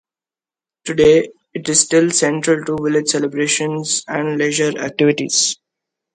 Today, it is still central to village celebrations and leisure activities.